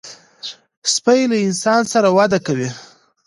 سپي له انسان سره وده کوي.